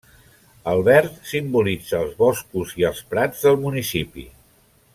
El verd simbolitza els boscos i els prats del municipi.